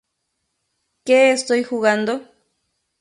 Que estoy jugando.